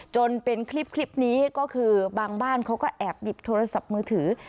จนเป็นคลิปนี้ก็คือบางบ้านเขาก็แอบหยิบโทรศัพท์มือถือ